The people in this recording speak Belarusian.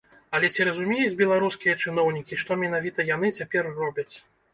Але ці разумеюць беларускія чыноўнікі, што менавіта яны цяпер робяць?